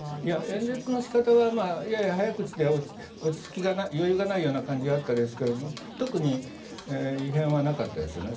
演説の仕方はやや早口で余裕がないような感じがあったんですけど特に異変はなかったですよね。